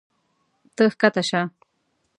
ته ښکته شه.